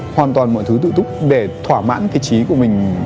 hoàn toàn mọi thứ tự túc để thỏa mãn cái trí của mình